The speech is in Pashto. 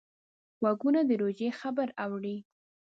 غوږونه د روژې خبر اوري